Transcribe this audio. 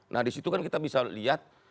nah disitu kan kita bisa lihat